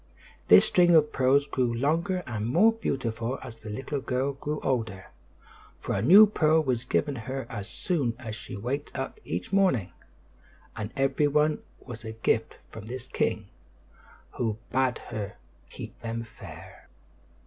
This string of pearls grew longer and more beautiful as the little girl grew older, for a new pearl was given her as soon as she waked up each morning; and every one was a gift from this king, who bade her keep them fair.